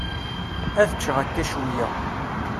Ad ččeɣ akka cwiya.